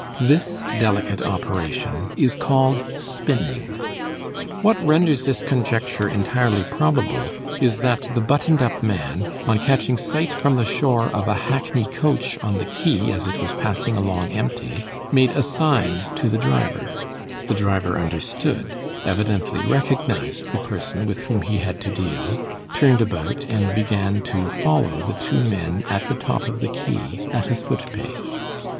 This delicate operation is called "spinning." What renders this conjecture entirely probable is that the buttoned up man, on catching sight from the shore of a hackney coach on the quay as it was passing along empty, made a sign to the driver; the driver understood, evidently recognized the person with whom he had to deal, turned about and began to follow the two men at the top of the quay, at a foot pace.